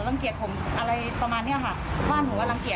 หนูก็เลยถามกลับไปว่าอะไรนะ